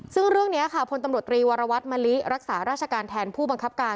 ซึ่งเรื่องนี้ค่ะพลตำรวจตรีวรวัตมะลิรักษาราชการแทนผู้บังคับการ